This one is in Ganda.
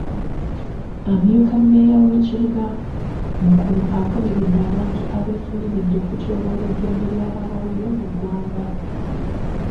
Amyuka mmeeya w'ekibuga Mukono avumiridde abantu abeefunyiridde okutyoboola eddembe ly'abamawulire mu ggwanga.